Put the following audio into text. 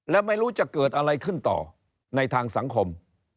แล้วไม่รู้จะเกิดอะไรขึ้นต่อในทางสังคม